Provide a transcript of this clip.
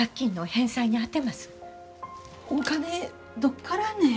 お金どっからね？